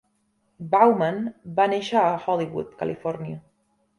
Bowman va néixer a Hollywood, Califòrnia.